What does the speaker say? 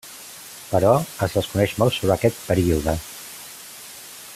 Però es desconeix molt sobre aquest període.